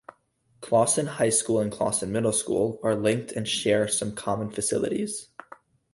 Clawson High School and Clawson Middle School are linked and share some common facilities.